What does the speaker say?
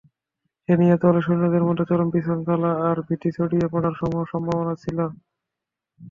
সে নিহত হলে সৈন্যদের মধ্যে চরম বিশৃঙ্খলা আর ভীতি ছড়িয়ে পড়ার সমূহ সম্ভাবনা ছিল।